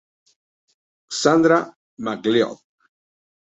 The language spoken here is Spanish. Sandra McLeod.